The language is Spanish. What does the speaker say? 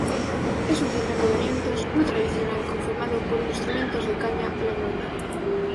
Es un quinteto de vientos no tradicional conformado por instrumentos de caña o lengüeta.